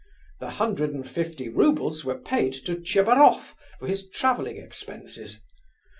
The hundred and fifty roubles were paid to Tchebaroff for his travelling expenses.